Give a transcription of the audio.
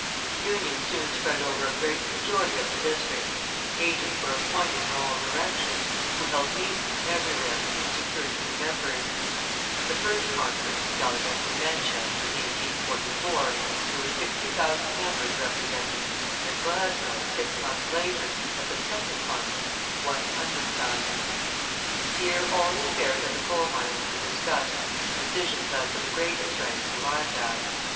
The Union soon spread over a great majority of the districts; agents were appointed in all directions, who held meetings everywhere and secured new members; at the first conference of delegates, in Manchester, in 1844, there were 60,000 members represented, and at Glasgow, six months later, at the second conference, 100,000. Here all the affairs of the coal miners were discussed and decisions as to the greater strikes arrived at.